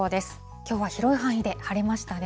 きょうは広い範囲で晴れましたね。